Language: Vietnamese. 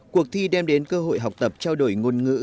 cuộc thi đem đến cơ hội học tập trao đổi ngôn ngữ